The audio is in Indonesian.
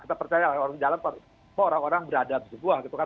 kita percaya orang di dalam mau orang orang berada bersama